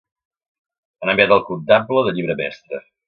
Han enviat al comptable de llibre mestre.